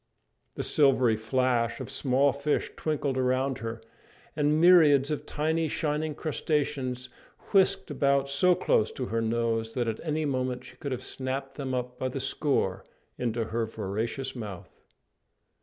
The silvery flash of small fish twinkled around her, and myriads of tiny shining crustaceans whisked about so close to her nose that at any moment she could have snapped them up by the score into her voracious mouth.